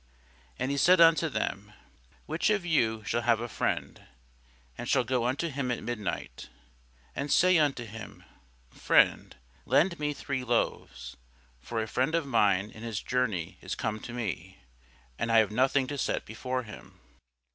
And he said unto them, Which of you shall have a friend, and shall go unto him at midnight, and say unto him, Friend, lend me three loaves; for a friend of mine in his journey is come to me, and I have nothing to set before him?